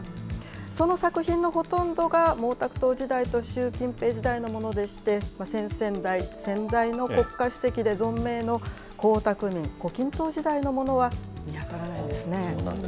その作品のほとんどが、毛沢東時代と習近平時代のものでして、先々代、先代の国家主席で存命の、江沢民、胡錦涛時代のものは見当たらないですね。